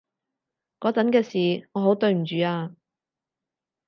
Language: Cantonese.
嗰陣嘅事，我好對唔住啊